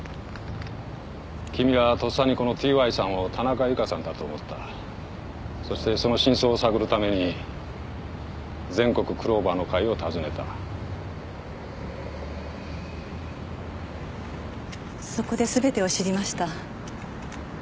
君はとっさにこのＴ・Ｙさんを田中由香さんだと思ったそしてその真相を探るために全国クローバーの会を訪ねたそこですべてを知りました